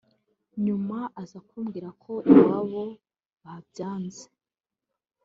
nyuma aza kumbwira ko iwabo babyanze